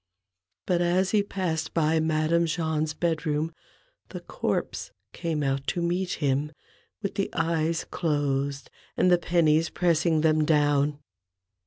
But as he passed by Madame Jahn's bed room the corpse came out to meet him, with the eyes closed and the pennies pressing them down.